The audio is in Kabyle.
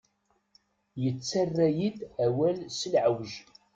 Yettarra-yi-d awal s leɛweǧ.